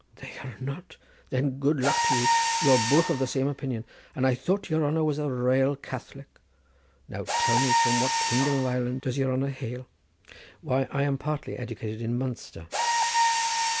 "They are not? Then good luck to you! We are both of the same opinion. Ah, I thought your honour was a rale Catholic. Now, tell me from what kingdom of Ireland does your honour hail?" "Why, I was partly educated in Munster."